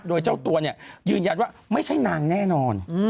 โดยเจ้าตัวเนี่ยยืนยันว่าไม่ใช่นางแน่นอน